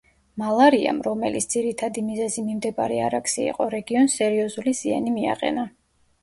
მალარიამ, რომელის ძირითადი მიზეზი მიმდებარე არაქსი იყო, რეგიონს სერიოზული ზიანი მიაყენა.